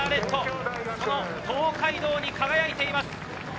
東海道に輝いています。